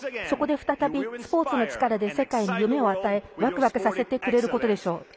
そこで再びスポーツの力で世界に夢を与えワクワクさせてくれることでしょう。